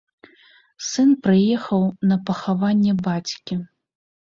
Сын прыехаў на пахаванне бацькі.